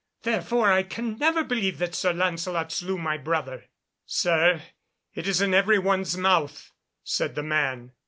Therefore I can never believe that Sir Lancelot slew my brother." "Sir, it is in every one's mouth," said the man.